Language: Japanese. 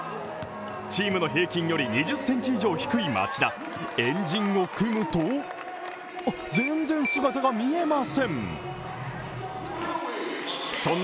チームの平均より２０センチ以上低い町田円陣を組むと全然姿が見えません。